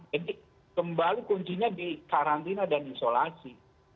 jadi kembali kuncinya di karantina dan isolasi